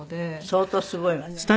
相当すごいわね。